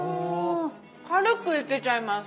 軽くいけちゃいます。